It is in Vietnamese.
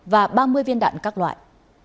và ba mươi viên đạn các loại